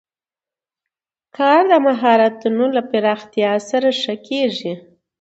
کار د مهارتونو له پراختیا سره ښه کېږي